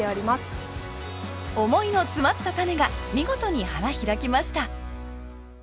思いの詰まったタネが見事に花開きました。